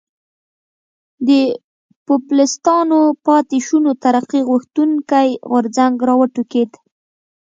د پوپلستانو پاتې شونو ترقي غوښتونکی غورځنګ را وټوکېد.